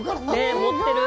持ってる。